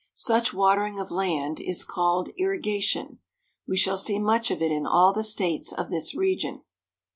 Such watering of land is called irrigation. We shall see much of it in all the states of this region.